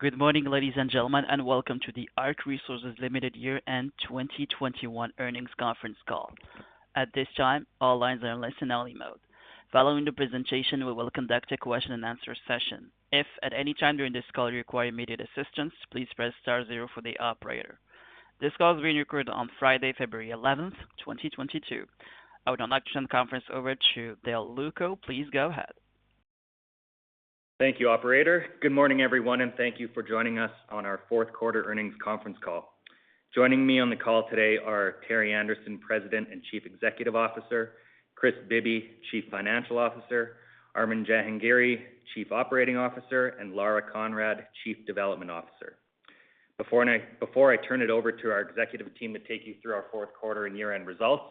Good morning, ladies and gentlemen, and welcome to the ARC Resources Ltd. year-end 2021 earnings conference call. At this time, all lines are in listen-only mode. Following the presentation, we will conduct a question-and-answer session. If at any time during this call you require immediate assistance, please press star zero for the operator. This call is being recorded on Friday, February 11, 2022. I would now like to turn the conference over to Dale Lewko. Please go ahead. Thank you, operator. Good morning, everyone, and thank you for joining us on our fourth quarter earnings conference call. Joining me on the call today are Terry Anderson, President and Chief Executive Officer, Kris Bibby, Chief Financial Officer, Armin Jahangiri, Chief Operating Officer, and Lara Conrad, Chief Development Officer. Before I turn it over to our executive team to take you through our fourth quarter and year-end results,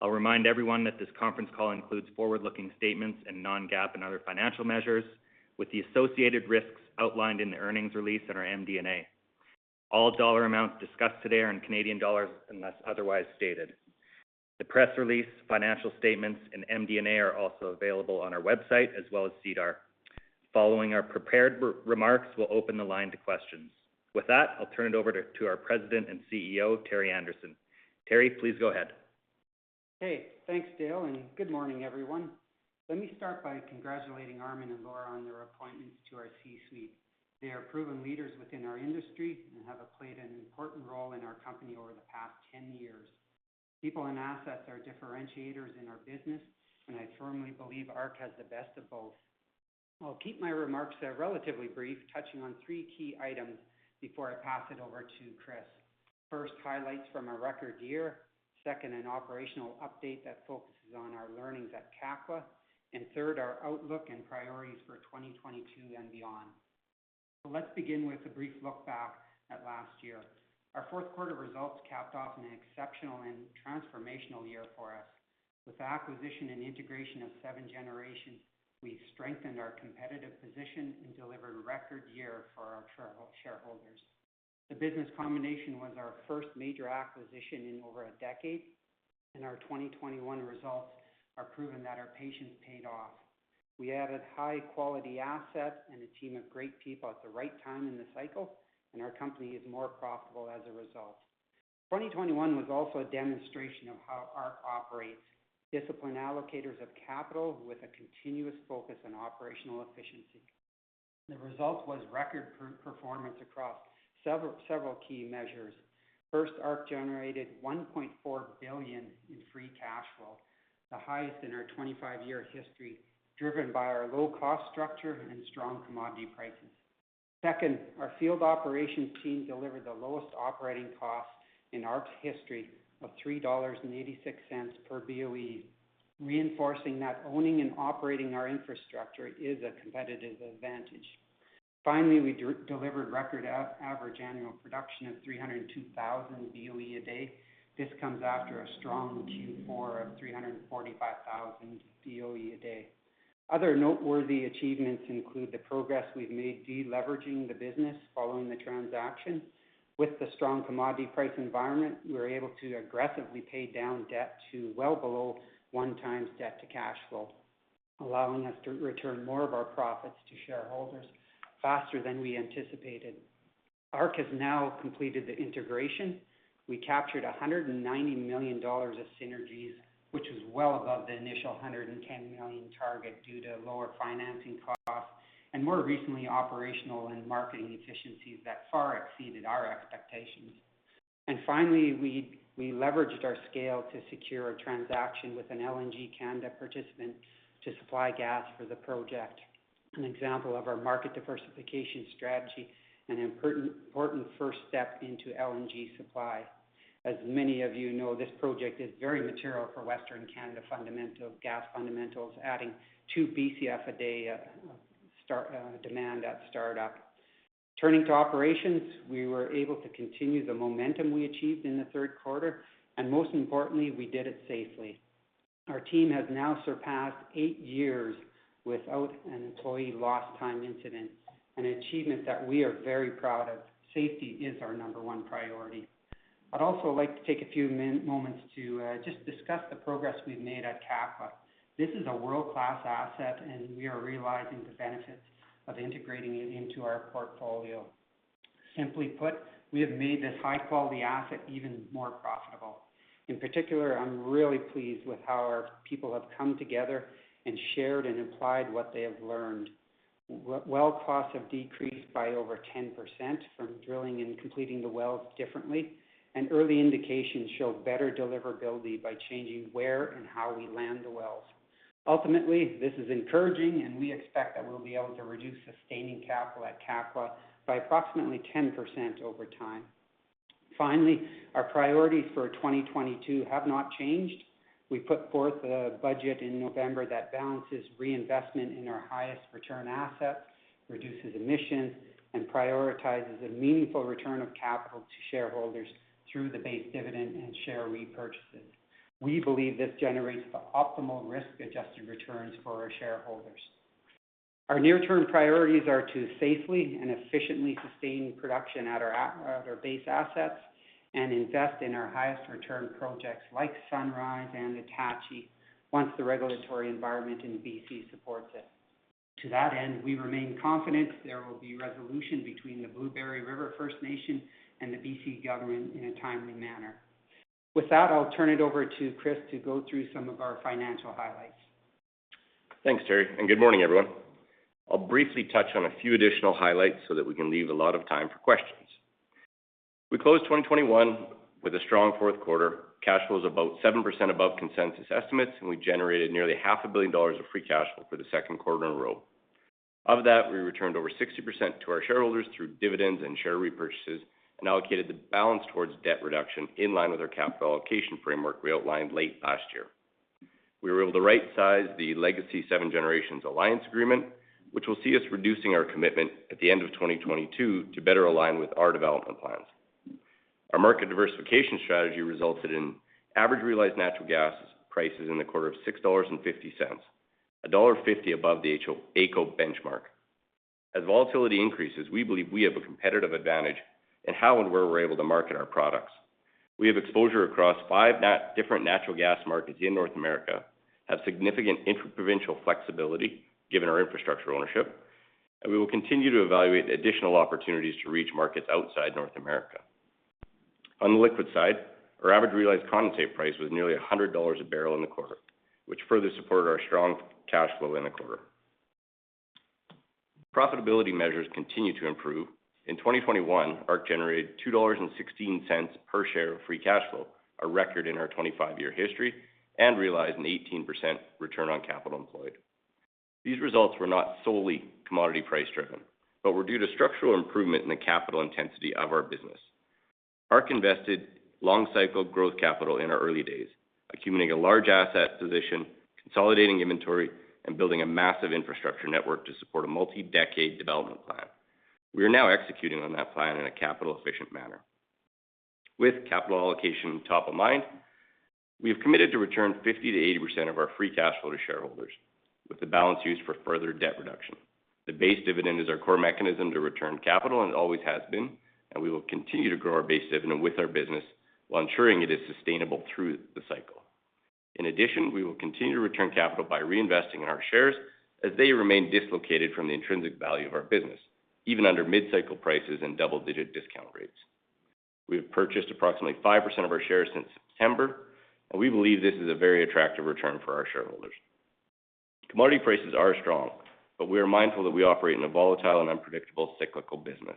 I'll remind everyone that this conference call includes forward-looking statements and non-GAAP and other financial measures with the associated risks outlined in the earnings release in our MD&A. All dollar amounts discussed today are in Canadian dollars unless otherwise stated. The press release, financial statements and MD&A are also available on our website as well as SEDAR. Following our prepared remarks, we'll open the line to questions. With that, I'll turn it over to our President and CEO, Terry Anderson. Terry, please go ahead. Hey, thanks, Dale, and good morning, everyone. Let me start by congratulating Armin and Lara on their appointments to our C-suite. They are proven leaders within our industry and have played an important role in our company over the past 10 years. People and assets are differentiators in our business, and I firmly believe ARC has the best of both. I'll keep my remarks relatively brief, touching on three key items before I pass it over to Kris. First, highlights from our record year. Second, an operational update that focuses on our learnings at Kakwa. And third, our outlook and priorities for 2022 and beyond. Let's begin with a brief look back at last year. Our fourth quarter results capped off an exceptional and transformational year for us. With the acquisition and integration of Seven Generations, we've strengthened our competitive position and delivered a record year for our shareholders. The business combination was our first major acquisition in over a decade, and our 2021 results are proving that our patience paid off. We added high quality assets and a team of great people at the right time in the cycle, and our company is more profitable as a result. 2021 was also a demonstration of how ARC operates disciplined allocators of capital with a continuous focus on operational efficiency. The result was record performance across several key measures. First, ARC generated 1.4 billion in free cash flow, the highest in our 25-year history, driven by our low cost structure and strong commodity prices. Second, our field operations team delivered the lowest operating cost in ARC's history of 3.86 dollars per BOE, reinforcing that owning and operating our infrastructure is a competitive advantage. Finally, we delivered record average annual production of 302,000 BOE a day. This comes after a strong Q4 of 345,000 BOE a day. Other noteworthy achievements include the progress we've made deleveraging the business following the transaction. With the strong commodity price environment, we were able to aggressively pay down debt to well below 1x debt to cash flow, allowing us to return more of our profits to shareholders faster than we anticipated. ARC has now completed the integration. We captured 190 million dollars of synergies, which was well above the initial 110 million target due to lower financing costs, and more recently, operational and marketing efficiencies that far exceeded our expectations. Finally, we leveraged our scale to secure a transaction with an LNG Canada participant to supply gas for the project, an example of our market diversification strategy and important first step into LNG supply. As many of you know, this project is very material for Western Canada gas fundamentals, adding 2 BCF a day demand at startup. Turning to operations, we were able to continue the momentum we achieved in the third quarter, and most importantly, we did it safely. Our team has now surpassed eight years without an employee lost time incident, an achievement that we are very proud of. Safety is our number one priority. I'd also like to take a few moments to just discuss the progress we've made at Kakwa. This is a world-class asset, and we are realizing the benefits of integrating it into our portfolio. Simply put, we have made this high-quality asset even more profitable. In particular, I'm really pleased with how our people have come together and shared and applied what they have learned. Well, costs have decreased by over 10% from drilling and completing the wells differently, and early indications show better deliverability by changing where and how we land the wells. Ultimately, this is encouraging, and we expect that we'll be able to reduce sustaining capital at Kakwa by approximately 10% over time. Finally, our priorities for 2022 have not changed. We put forth a budget in November that balances reinvestment in our highest return assets, reduces emissions, and prioritizes a meaningful return of capital to shareholders through the base dividend and share repurchases. We believe this generates the optimal risk-adjusted returns for our shareholders. Our near-term priorities are to safely and efficiently sustain production at our base assets and invest in our highest return projects like Sunrise and Attachie once the regulatory environment in BC supports it. To that end, we remain confident there will be resolution between the Blueberry River First Nations and the BC government in a timely manner. With that, I'll turn it over to Kris to go through some of our financial highlights. Thanks, Terry, and good morning, everyone. I'll briefly touch on a few additional highlights so that we can leave a lot of time for questions. We closed 2021 with a strong fourth quarter. Cash flow is about 7% above consensus estimates, and we generated nearly 500 million dollars of free cash flow for the second quarter in a row. Of that, we returned over 60% to our shareholders through dividends and share repurchases and allocated the balance towards debt reduction in line with our capital allocation framework we outlined late last year. We were able to right-size the Legacy Seven Generations Alliance Agreement, which will see us reducing our commitment at the end of 2022 to better align with our development plans. Our market diversification strategy resulted in average realized natural gas prices in the quarter of 6.50 dollars, dollar 1.50 above the AECO benchmark. As volatility increases, we believe we have a competitive advantage in how and where we're able to market our products. We have exposure across five different natural gas markets in North America, have significant inter-provincial flexibility given our infrastructure ownership, and we will continue to evaluate additional opportunities to reach markets outside North America. On the liquid side, our average realized condensate price was nearly 100 dollars a barrel in the quarter, which further supported our strong cash flow in the quarter. Profitability measures continue to improve. In 2021, ARC generated 2.16 dollars per share of free cash flow, a record in our 25-year history, and realized an 18% return on capital employed. These results were not solely commodity price driven, but were due to structural improvement in the capital intensity of our business. ARC invested long cycle growth capital in our early days, accumulating a large asset position, consolidating inventory, and building a massive infrastructure network to support a multi-decade development plan. We are now executing on that plan in a capital-efficient manner. With capital allocation top of mind, we have committed to return 50%-80% of our free cash flow to shareholders, with the balance used for further debt reduction. The base dividend is our core mechanism to return capital, and it always has been, and we will continue to grow our base dividend with our business while ensuring it is sustainable through the cycle. In addition, we will continue to return capital by reinvesting in our shares as they remain dislocated from the intrinsic value of our business, even under mid-cycle prices and double-digit discount rates. We have purchased approximately 5% of our shares since September, and we believe this is a very attractive return for our shareholders. Commodity prices are strong, but we are mindful that we operate in a volatile and unpredictable cyclical business.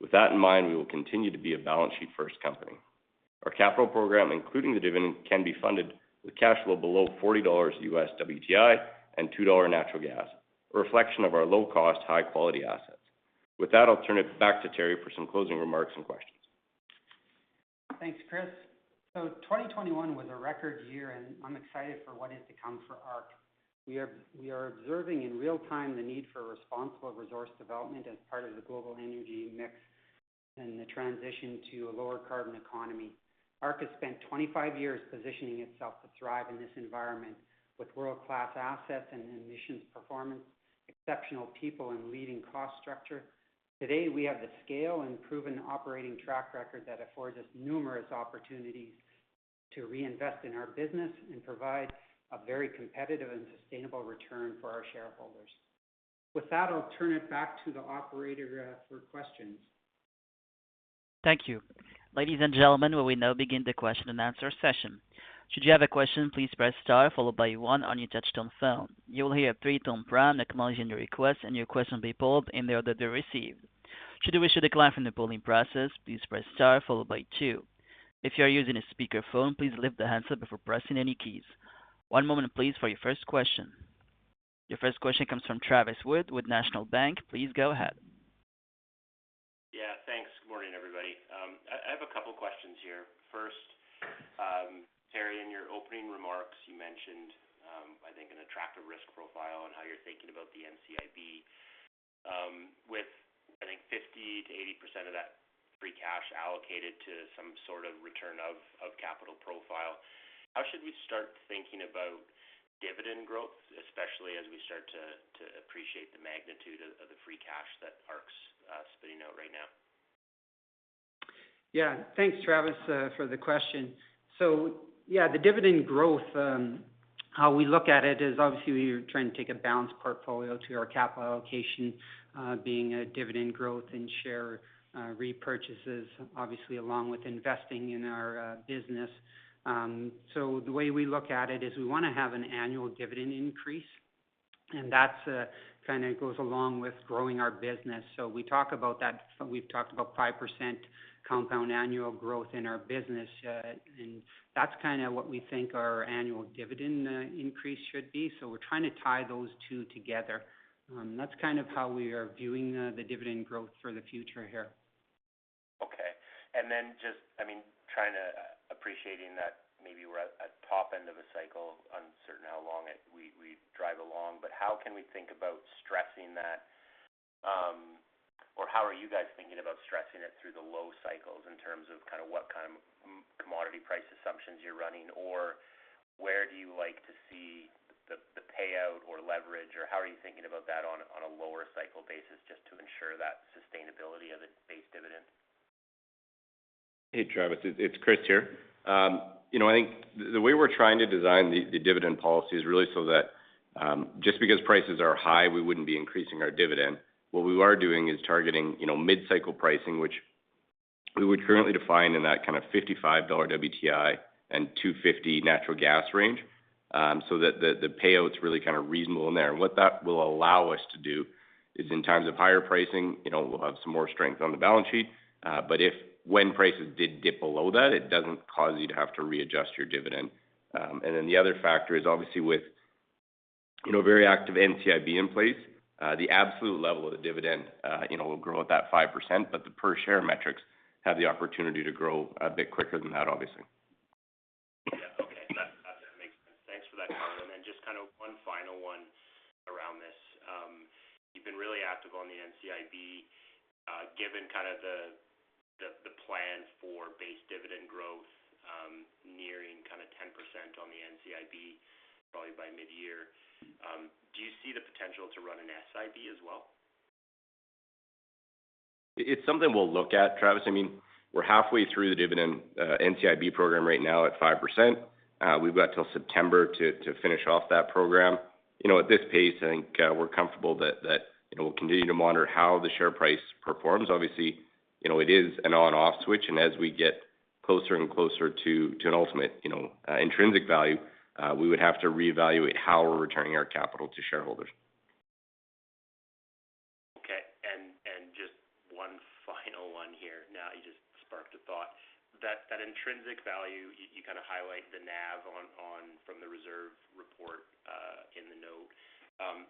With that in mind, we will continue to be a balance sheet-first company. Our capital program, including the dividend, can be funded with cash flow below $40 US WTI and 2 dollar natural gas, a reflection of our low cost, high quality assets. With that, I'll turn it back to Terry for some closing remarks and questions. Thanks, Kris. 2021 was a record year, and I'm excited for what is to come for ARC. We are observing in real time the need for responsible resource development as part of the global energy mix and the transition to a lower carbon economy. ARC has spent 25 years positioning itself to thrive in this environment with world-class assets and emissions performance, exceptional people, and leading cost structure. Today, we have the scale and proven operating track record that affords us numerous opportunities to reinvest in our business and provide a very competitive and sustainable return for our shareholders. With that, I'll turn it back to the operator for questions. Thank you. Ladies and gentlemen, we will now begin the question and answer session. Should you have a question, please press star followed by one on your touchtone phone. You will hear a three-tone prompt acknowledging your request, and your question will be pulled in the order they're received. Should you wish to decline from the polling process, please press star followed by two. If you are using a speaker phone, please lift the handset before pressing any keys. One moment, please, for your first question. Your first question comes from Travis Wood with National Bank. Please go ahead. Yeah. Thanks. Good morning, everybody. I have a couple questions here. First, Terry, in your opening remarks, you mentioned I think an attractive risk profile and how you're thinking about the NCIB with I think 50%-80% of that free cash allocated to some sort of return of capital profile. How should we start thinking about dividend growth, especially as we start to appreciate the magnitude of the free cash that ARC's spitting out right now? Yeah. Thanks, Travis, for the question. Yeah, the dividend growth, how we look at it is obviously we're trying to take a balanced portfolio to our capital allocation, being dividend growth and share repurchases, obviously, along with investing in our business. The way we look at it is we wanna have an annual dividend increase, and that's kinda goes along with growing our business. We talk about that. We've talked about 5% compound annual growth in our business. That's kinda what we think our annual dividend increase should be. We're trying to tie those two together. That's kind of how we are viewing the dividend growth for the future here. Okay. Just, I mean, appreciating that maybe we're at top end of a cycle, uncertain how long we drive along. How can we think about stressing that, or how are you guys thinking about stressing it through the low cycles in terms of what kind of commodity price assumptions you're running? Or where do you like to see the payout or leverage, or how are you thinking about that on a lower cycle basis just to ensure that sustainability of the base dividend? Hey Travis, it's Kris here. You know, I think the way we're trying to design the dividend policy is really so that just because prices are high, we wouldn't be increasing our dividend. What we are doing is targeting, you know, mid-cycle pricing, which we would currently define in that kind of $55 WTI and 2.50 natural gas range, so that the payout's really kinda reasonable in there. What that will allow us to do is in times of higher pricing, you know, we'll have some more strength on the balance sheet. But if when prices did dip below that, it doesn't cause you to have to readjust your dividend. The other factor is obviously with you know very active NCIB in place, the absolute level of the dividend you know will grow at that 5%, but the per share metrics have the opportunity to grow a bit quicker than that, obviously. Yeah. Okay. That makes sense. Thanks for that color. Just kind of one final one around this. You've been really active on the NCIB. Given kind of the plan for base dividend growth, nearing kind of 10% on the NCIB probably by mid-year, do you see the potential to run an SIB as well? It's something we'll look at, Travis. I mean, we're halfway through the dividend, NCIB program right now at 5%. We've got till September to finish off that program. You know, at this pace, I think, we're comfortable that you know, we'll continue to monitor how the share price performs. Obviously, you know, it is an on/off switch. As we get closer and closer to an ultimate, you know, intrinsic value, we would have to reevaluate how we're returning our capital to shareholders. Okay. Just one final one here. Now you just sparked a thought. That intrinsic value, you kinda highlight the NAV on, from the reserve report in the note.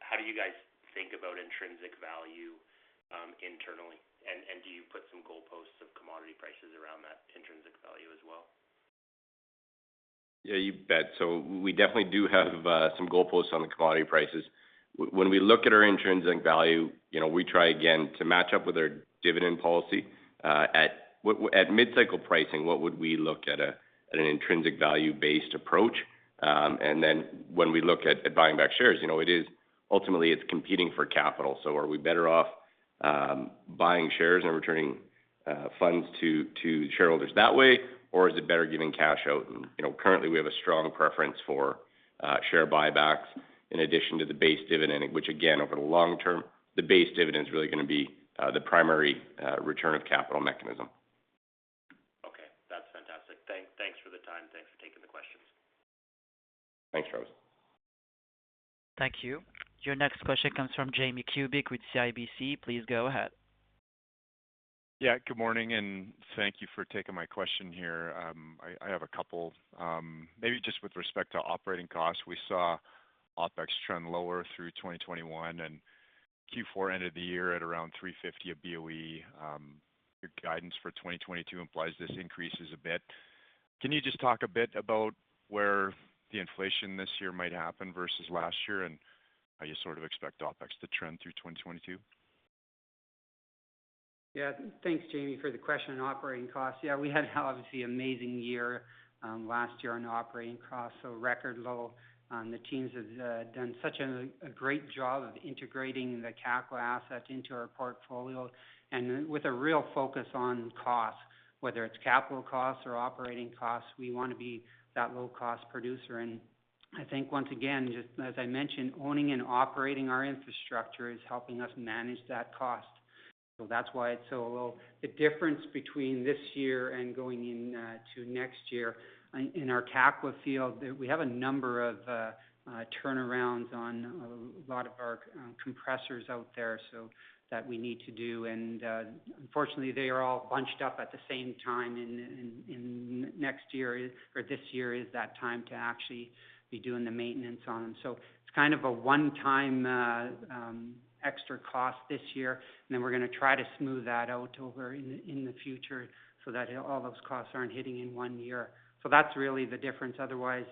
How do you guys think about intrinsic value internally? Do you put some goalposts of commodity prices around that intrinsic value as well? Yeah, you bet. We definitely do have some goalposts on the commodity prices. When we look at our intrinsic value, you know, we try again to match up with our dividend policy. At mid-cycle pricing, what would we look at an intrinsic value-based approach? Then when we look at buying back shares, you know, it is ultimately competing for capital. Are we better off buying shares and returning funds to shareholders that way, or is it better giving cash out? You know, currently, we have a strong preference for share buybacks in addition to the base dividend, which again, over the long-term, the base dividend is really gonna be the primary return of capital mechanism. Okay. That's fantastic. Thanks for the time. Thanks for taking the questions. Thanks, Travis. Thank you. Your next question comes from Jamie Kubik with CIBC. Please go ahead. Yeah. Good morning, and thank you for taking my question here. I have a couple. Maybe just with respect to operating costs, we saw OpEx trend lower through 2021, and Q4 ended the year at around 3.50/BOE. Your guidance for 2022 implies this increases a bit. Can you just talk a bit about where the inflation this year might happen versus last year, and how you sort of expect OpEx to trend through 2022? Yeah. Thanks, Jamie, for the question on operating costs. Yeah, we had obviously amazing year last year on operating costs, so record low. The teams have done such a great job of integrating the Kakwa asset into our portfolio and with a real focus on costs. Whether it's capital costs or operating costs, we wanna be that low-cost producer. I think once again, just as I mentioned, owning and operating our infrastructure is helping us manage that cost. So that's why it's so low. The difference between this year and going into next year in our Kakwa field, we have a number of turnarounds on a lot of our compressors out there, so that we need to do. Unfortunately, they are all bunched up at the same time in this year is that time to actually be doing the maintenance on them. It's kind of a one-time extra cost this year, and then we're gonna try to smooth that out over in the future so that all those costs aren't hitting in one year. That's really the difference. Otherwise,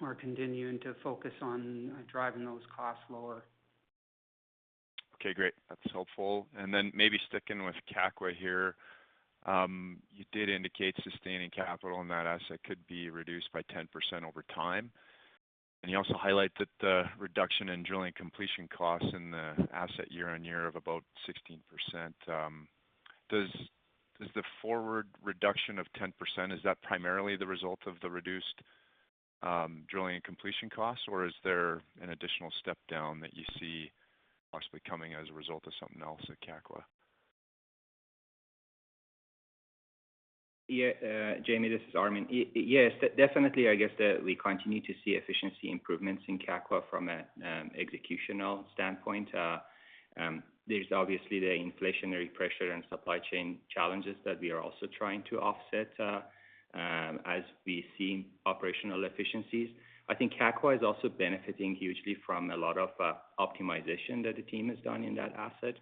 we're continuing to focus on driving those costs lower. Okay, great. That's helpful. Maybe sticking with Kakwa here. You did indicate sustaining capital in that asset could be reduced by 10% over time. You also highlight that the reduction in drilling completion costs in the asset year-over-year of about 16%. Does the forward reduction of 10%, is that primarily the result of the reduced drilling and completion costs, or is there an additional step down that you see possibly coming as a result of something else at Kakwa? Yeah, Jamie, this is Armin. Yes, definitely, I guess, we continue to see efficiency improvements in Kakwa from a executional standpoint. There's obviously the inflationary pressure and supply chain challenges that we are also trying to offset as we see operational efficiencies. I think Kakwa is also benefiting hugely from a lot of optimization that the team has done in that asset.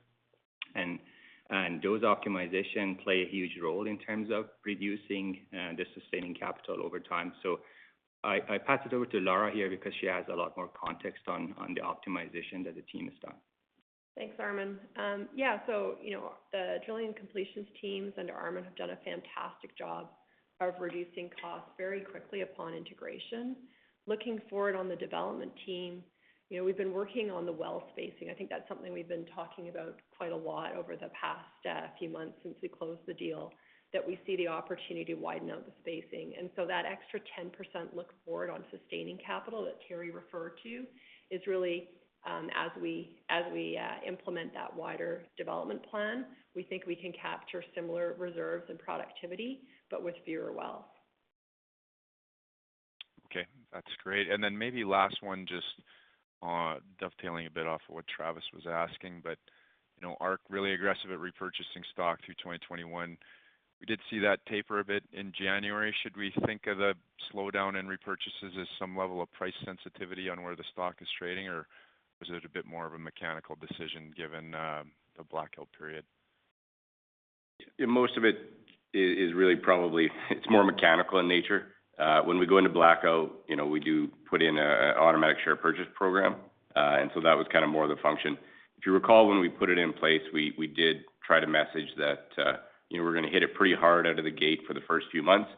And those optimization play a huge role in terms of reducing the sustaining capital over time. I pass it over to Lara here because she has a lot more context on the optimization that the team has done. Thanks, Armin. Yeah. You know, the drilling and completions teams under Armin have done a fantastic job. On reducing costs very quickly upon integration. Looking forward, on the development team, you know, we've been working on the well spacing. I think that's something we've been talking about quite a lot over the past few months since we closed the deal, that we see the opportunity to widen out the spacing. That extra 10% lower for sustaining capital that Terry referred to is really as we implement that wider development plan. We think we can capture similar reserves and productivity, but with fewer wells. Okay, that's great. Then maybe last one, just, dovetailing a bit off of what Travis was asking, but you know, ARC really aggressive at repurchasing stock through 2021. We did see that taper a bit in January. Should we think of the slowdown in repurchases as some level of price sensitivity on where the stock is trading? Or was it a bit more of a mechanical decision given the blackout period? Most of it is really probably it's more mechanical in nature. When we go into blackout, you know, we do put in an automatic share purchase program. That was kind of more the function. If you recall, when we put it in place, we did try to message that, you know, we're gonna hit it pretty hard out of the gate for the first few months,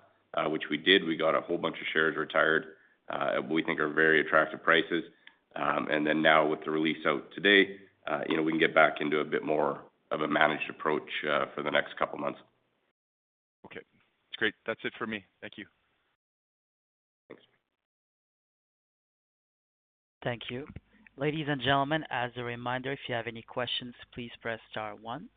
which we did. We got a whole bunch of shares retired, what we think are very attractive prices. Now with the release out today, you know, we can get back into a bit more of a managed approach for the next couple of months. Okay. That's great. That's it for me. Thank you. Thanks. Thank you. Ladies and gentlemen, as a reminder, if you have any questions, please press star one.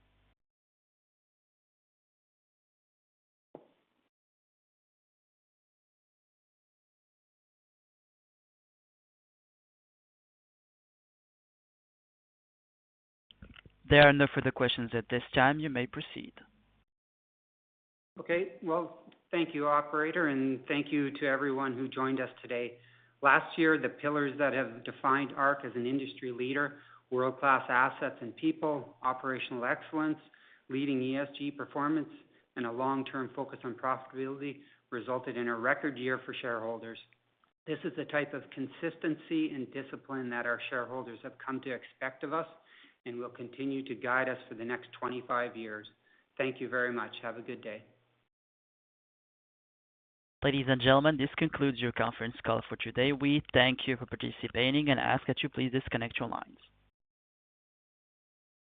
There are no further questions at this time. You may proceed. Okay. Well, thank you, operator, and thank you to everyone who joined us today. Last year, the pillars that have defined ARC as an industry leader, world-class assets and people, operational excellence, leading ESG performance, and a long-term focus on profitability resulted in a record year for shareholders. This is the type of consistency and discipline that our shareholders have come to expect of us and will continue to guide us for the next 25 years. Thank you very much. Have a good day. Ladies and gentlemen, this concludes your conference call for today. We thank you for participating and ask that you please disconnect your lines.